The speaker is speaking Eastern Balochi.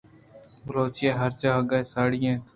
بلوچ ھر جاگھے ءَ ساڑی اَنت